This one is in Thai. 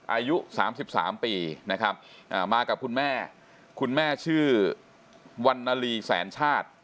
อายุ๓๓ปีนะครับมากับคุณแม่คุณแม่ชื่อวันนาลีแสนชาติ